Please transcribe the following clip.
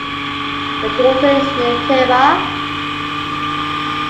The daughter is named Hera.